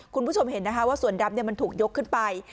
คุณผู้ชมเห็นนะคะว่าสวนดำมันถูกยกขึ้นไป